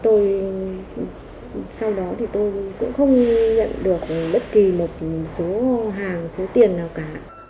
tôi không nhận được bất kỳ một số hàng số tiền nào cả